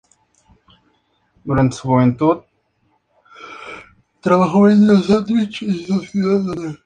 Durante su juventud, trabajó vendiendo sándwiches en su ciudad natal.